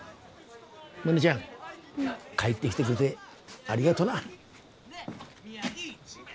モネちゃん帰ってきてくれてありがとな。